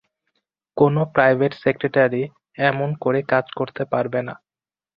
কোনো private secretary এমন করে কাজ করতে পারবে না।